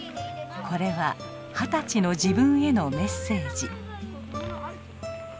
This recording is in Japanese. これは二十歳の自分へのメッセージ。